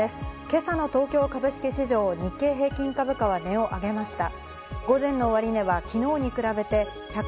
今朝の東京株式市場、日経平均株価は値をあげました。